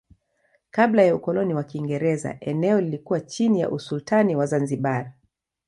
Kabla ya ukoloni wa Kiingereza eneo lilikuwa chini ya usultani wa Zanzibar.